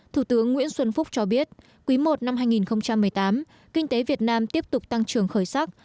thủ tướng nguyễn xuân phúc cho biết quý i năm hai nghìn một mươi tám kinh tế việt nam tiếp tục tăng trưởng khởi sắc